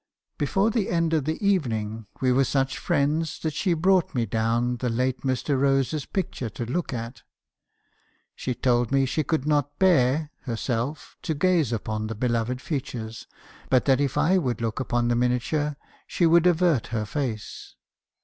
"Before the end of the evening, we were such friends that she brought me down the late Mr. Rose's picture to look at. She told me she could not bear, herself, to gaze upon the be loved features ; but that if I would look upon the miniature , she would avert her face.